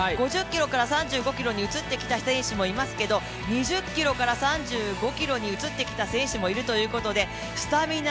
５０ｋｍから３５ｋｍに移ってきた選手もいますけど２０ｋｍから３５ｋｍに移ってきた選手もいるということでスタミナ